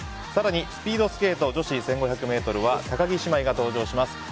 更にスピードスケート１５００ｍは高木姉妹が登場します。